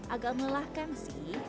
agak melahkan sih